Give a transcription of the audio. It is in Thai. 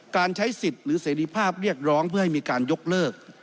การใช้สิทธิ์หรือเสรีภาพเรียกร้องเพื่อให้มีการยกเลิก